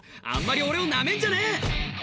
あんまり俺をナメんじゃねえ！」